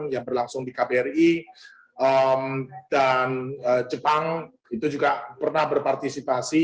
yang berlangsung di kbri dan jepang itu juga pernah berpartisipasi